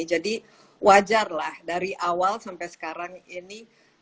jadi wajarlah dari awal sampai sekarang ini